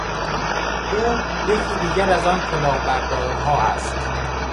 او یکی دیگر از آن کلاهبردارها است.